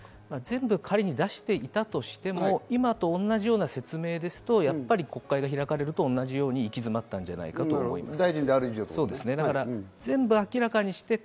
仮に出していたとしても、今と同じような説明ですと、やっぱり国会が開かれるのと同じように行き詰まったんじゃないかと思います。